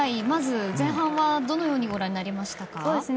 まず前半はどのようにご覧になりましたか？